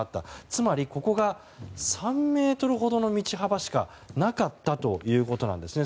つまり、ここが３ｍほどの道幅しかなかったということなんですね。